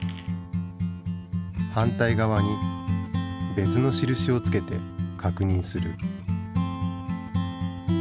反対側に別の印を付けて確認する。